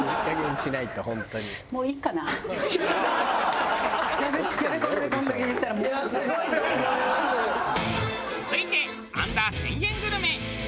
続いてアンダー１０００円グルメ。